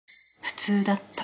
普通だった。